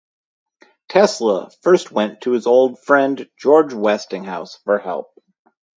Tesla first went to his old friend George Westinghouse for help.